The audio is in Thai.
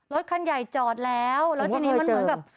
รถคันใหญ่จอดแล้วแล้วทีนี้มันเหมือนกับ